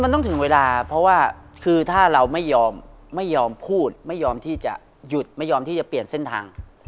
มันต้องถึงเวลาเพราะว่าคือถ้าเราไม่ยอมไม่ยอมพูดไม่ยอมที่จะหยุดไม่ยอมที่จะเปลี่ยนเส้นทาง